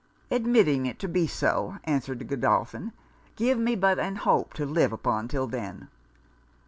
'Admitting it to be so,' answered Godolphin, 'give me but an hope to live upon till then!'